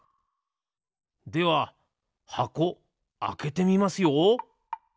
では箱あけてみますよ！